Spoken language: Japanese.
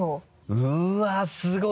うわすごい！